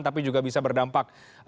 tapi juga bisa berdampak